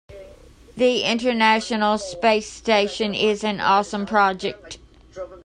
The international space station is an awesome project.